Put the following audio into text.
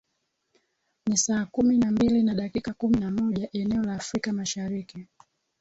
ni saa kumi na mbili na dakika kumi na moja eneo la afrika mashariki